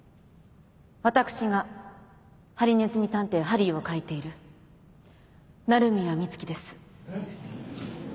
私が『ハリネズミ探偵・ハリー』を描いている鳴宮美月です。